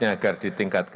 ini dilaksanakan dengan baik